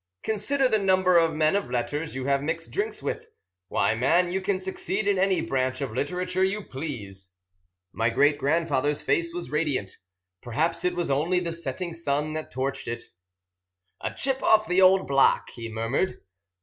Consider the number of men of letters you have mixed drinks with! Why, man, you can succeed in any branch of literature you please.'" My great grandfather's face was radiant. Perhaps it was only the setting sun that touched it. "A chip of the old block," he murmured.